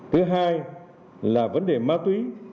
thứ hai là vấn đề ma túy